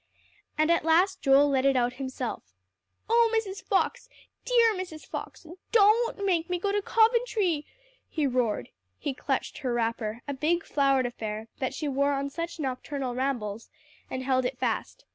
And at last Joel let it out himself. "Oh Mrs. Fox dear Mrs. Fox, don't make me go to Coventry," he roared. He clutched her wrapper, a big, flowered affair that she wore on such nocturnal rambles, and held it fast.